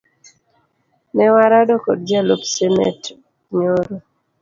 Ne warado kod jalup senate nyoro